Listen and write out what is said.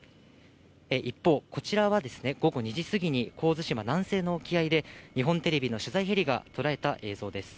一方、こちらは午後２時過ぎに神津島南西の沖合で、日本テレビの取材ヘリが捉えた映像です。